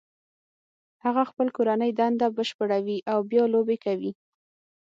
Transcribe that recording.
هغه خپل کورنۍ دنده بشپړوي او بیا لوبې کوي